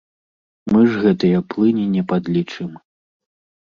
Мы ж гэтыя плыні не падлічым.